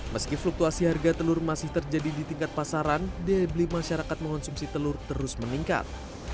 meski fluktuasi harga telur masih terjadi di tingkat pasaran daya beli masyarakat mengonsumsi telur terus meningkat